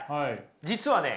実はね